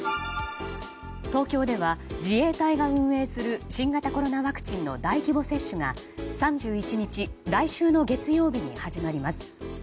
東京では、自衛隊が運営する新型コロナワクチンの大規模接種が３１日来週の月曜日に始まります。